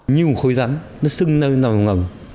như một khối rắn nó xưng nơi nằm ngầm